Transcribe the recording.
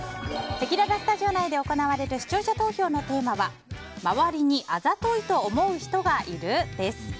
せきららスタジオ内で行われる視聴者投票のテーマは周りにあざといと思う人がいる？です。